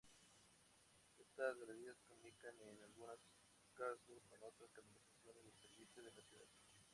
Estas galerías comunican, en algunos casos, con otras canalizaciones de servicios de la ciudad.